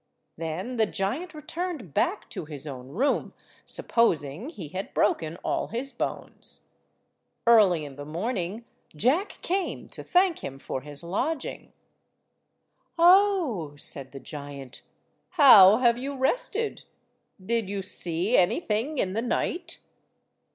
Then the giant returned back to his own room, supposing he had broken all his bones. Early in the morning Jack came to thank him for his lodging. "Oh," said the giant, "how have you rested? Did you see anything in the night?"